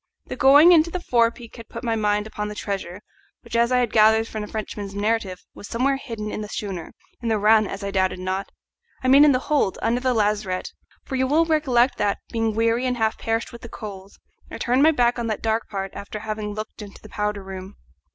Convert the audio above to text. The going into the forepeak had put my mind upon the treasure, which, as I had gathered from the Frenchman's narrative, was somewhere hidden in the schooner in the run, as I doubted not; I mean in the hold, under the lazarette, for you will recollect that, being weary and half perished with the cold, I had turned my back on that dark part after having looked into the powder room.